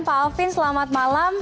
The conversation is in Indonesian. pak alvin selamat malam